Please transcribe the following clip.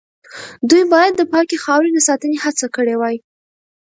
دوی باید د پاکې خاورې د ساتنې هڅه کړې وای.